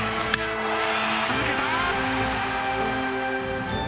続けた！